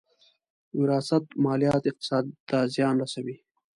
وراثت ماليات اقتصاد ته زیان رسوي.